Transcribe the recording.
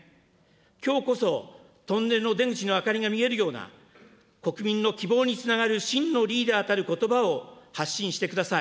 きょうこそトンネルの出口の明かりが見えるような、国民の希望につながる真のリーダーたることばを発信してください。